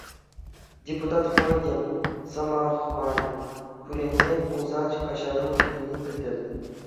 Депутат хӑй те, сӑмах май, кӳреннӗ пулсан каҫару ыйтнине пӗлтернӗ.